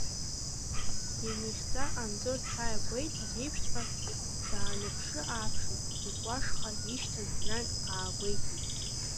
Ианихьӡа, Анзор дшаагәеиҭаз еиԥшҵәҟьа, даанаԥшы-ааԥшын икәашха ишьҭаз ҵәҩанк аагәеиҭеит.